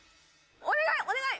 「お願いお願い！」